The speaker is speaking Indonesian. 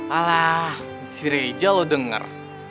alah si reja lo denger